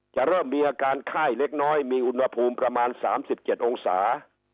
จะเริ่มมีอาการไข้เล็กน้อยมีอุณหภูมิประมาณ๓๗องศา